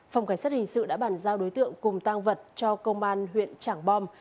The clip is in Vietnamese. phòng cảnh sát hình sự đã bản giao đối tượng cùng tăng vật cho công an huyện tràng bom